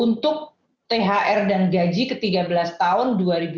untuk penghargaan lanjutan